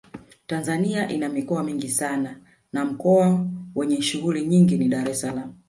Tanzania ina mikoa mingi sana na mkoa wenye shughuli nyingi ni Dar es salaam